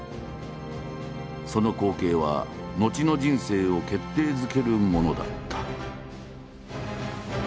その光景は後の人生を決定づけるものだった。